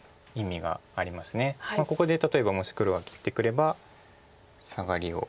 ここで例えばもし黒が切ってくればサガリを。